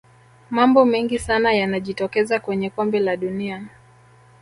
mambo mengi sana yanajitokeza kwenye kombe la dunia